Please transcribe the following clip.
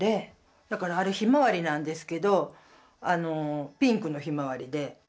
だからあれヒマワリなんですけどピンクのヒマワリで。